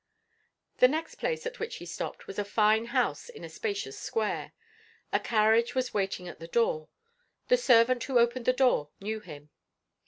The next place at which he stopped was a fine house in a spacious square. A carriage was waiting at the door. The servant who opened the door knew him.